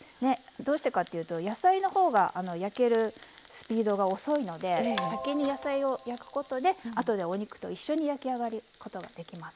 どうしてかっていうと野菜の方が焼けるスピードが遅いので先に野菜を焼くことであとでお肉と一緒に焼き上がることができます。